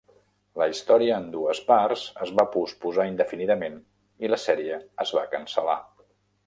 La història en dues parts es va posposar indefinidament i la sèrie es va cancel·lar.